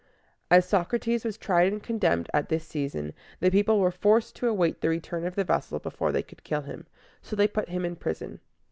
As Socrates was tried and condemned at this season, the people were forced to await the return of the vessel before they could kill him: so they put him in prison.